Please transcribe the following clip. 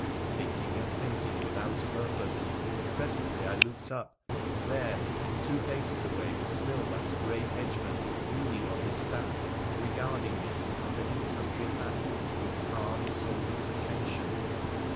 Thinking and thinking without purpose, presently I looked up, and there, two paces away was still that grey hedgeman leaning on his staff and regarding me from under his country hat with calm, soulless attention.